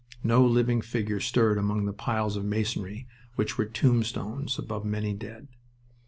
No living figure stirred among the piles of masonry which were tombstones above many dead.